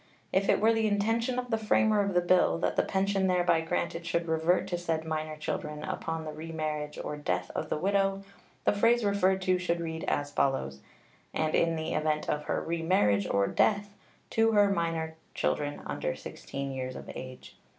If it were the intention of the framer of the bill that the pension thereby granted should revert to said minor children upon the remarriage or death of the widow, the phrase referred to should read as follows: "And in the event of her remarriage or death, to her minor children under 16 years of age."